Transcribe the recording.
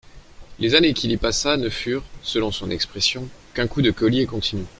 Les années qu'il y passa ne furent, selon son expression, qu'un coup de collier continu.